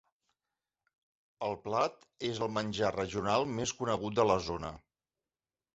El plat és el menjar regional més conegut de la zona.